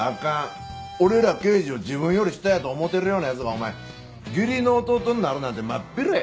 俺ら刑事を自分より下やと思うてるような奴がお前義理の弟になるなんてまっぴらや。